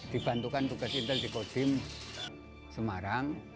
dibantukan tugas intel di kodim semarang